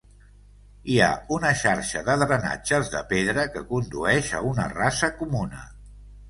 Hi ha una xarxa de drenatges de pedra que condueix a una rasa comuna.